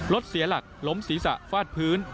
รถเสียหลักล้มศีรษะฟาดพื้น